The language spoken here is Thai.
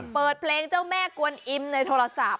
เปิดเพลงเจ้าแม่กวนอิมในโทรศัพท์